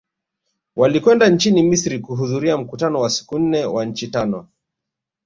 Walikwenda nchini Misri kuhudhuria mkutano wa siku nne wa nchi tano